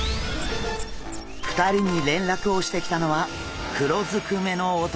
２人に連絡をしてきたのは黒ずくめの男たち。